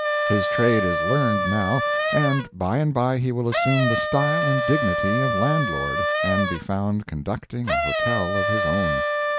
His trade is learned now, and by and by he will assume the style and dignity of landlord, and be found conducting a hotel of his own.